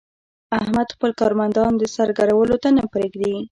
احمد خپل کارمندان د سر ګرولو ته نه پرېږي.